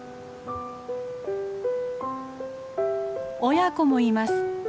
親子もいます。